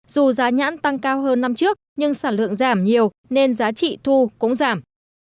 dù giá nhãn tăng cao hơn năm trước nhưng sản lượng giảm nhiều nên giá trị thu cũng giảm